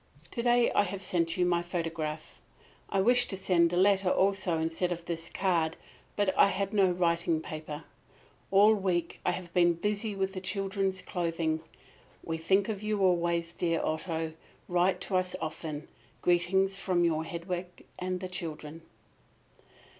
To day I have sent you my photograph. I wished to send a letter also instead of this card, but I have no writing paper. All week I have been busy with the children's clothing. We think of you always, dear Otto. Write to us often. Greetings from your Hedwig and the children."